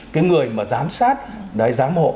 cái người mà giám sát giám hộ